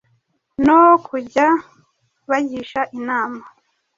no kujya bagisha inama.